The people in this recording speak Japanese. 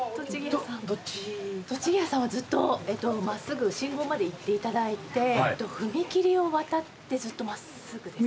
とちぎやさんはずっと真っすぐ信号まで行っていただいて踏切を渡ってずっと真っすぐですね。